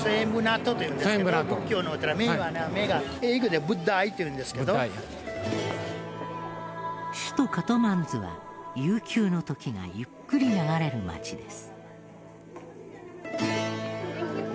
ネパールでは首都カトマンズは悠久の時がゆっくり流れる町です。